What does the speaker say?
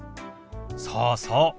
そうそう。